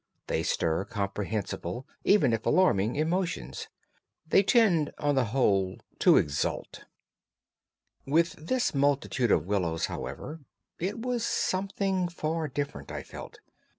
They stir comprehensible, even if alarming, emotions. They tend on the whole to exalt. With this multitude of willows, however, it was something far different, I felt.